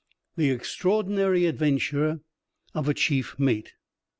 THE EXTRAORDINARY ADVENTURE OF A CHIEF MATE.